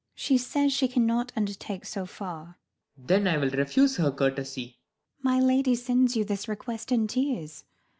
She says, she cannot undertake so far. Claud. Then I'll refuse her courtesy. Maid. My lady sends you this request in tears.